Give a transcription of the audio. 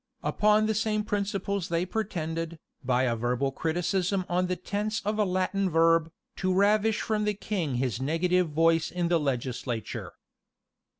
Upon the same principles they pretended, by a verbal criticism on the tense of a Latin verb, to ravish from the king his negative voice in the legislature.